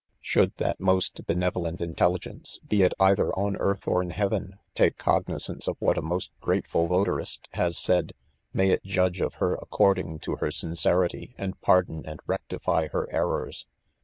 Should that most benevolent; intelligence, (be it either on earth or m heaven.) take cognizance of whnt a most grateful votarist ha/5 said, may it judge of her according to her sincerity, and pardon and rectify her errors.